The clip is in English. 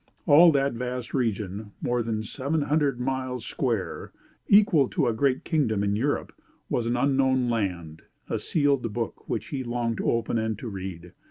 All that vast region, more than seven hundred miles square equal to a great kingdom in Europe was an unknown land a sealed book, which he longed to open, and to read.